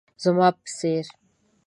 زما په څير